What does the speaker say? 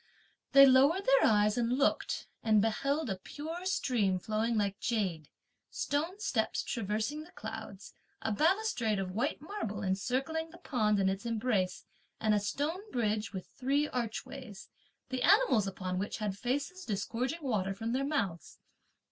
They lowered their eyes and looked, and beheld a pure stream flowing like jade, stone steps traversing the clouds, a balustrade of white marble encircling the pond in its embrace, and a stone bridge with three archways, the animals upon which had faces disgorging water from their mouths.